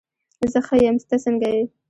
زه ښه یم، ته څنګه یې؟